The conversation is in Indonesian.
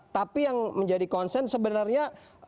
tapi yang menjadi konsen sebenarnya